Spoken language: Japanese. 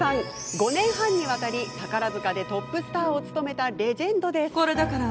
５年半にわたり宝塚のトップスターを務めたレジェンドです。